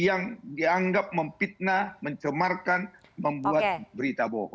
yang dianggap memfitna mencemarkan membuat berita bohong